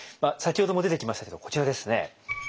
先ほども出てきましたけどこちらですね。